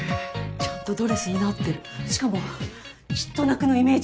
ちゃんとドレスになってるしかも「きっと泣く」のイメージ